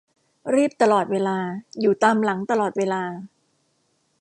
รีบตลอดเวลา อยู่ตามหลังตลอดเวลา